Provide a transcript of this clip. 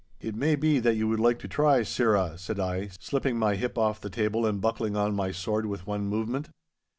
'It may be that you would like to try, sirrah,' said I, slipping my hip off the table and buckling on my sword with one movement.